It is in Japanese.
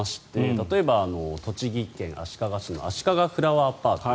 例えば栃木県足利市のあしかがフラワーパーク。